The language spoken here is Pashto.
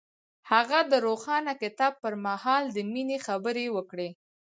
هغه د روښانه کتاب پر مهال د مینې خبرې وکړې.